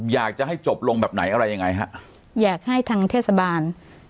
อยากจะให้จบลงแบบไหนอะไรยังไงฮะอยากให้ทางเทศบาล